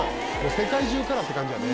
世界中からって感じやね。